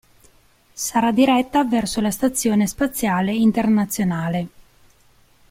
Sarà diretta verso la Stazione Spaziale Internazionale.